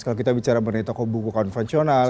kalau kita bicara mengenai toko buku konvensional